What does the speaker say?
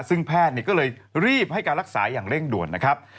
ซึ่งแพทย์ก็เลยรีบให้การรักษาอย่างเร่งด่วนนะครับ